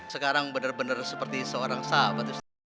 sekarang benar benar seperti seorang sahabat